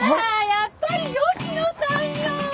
やっぱり吉野さんよ！